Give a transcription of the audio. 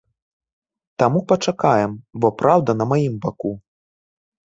Таму пачакаем, бо праўда на маім баку.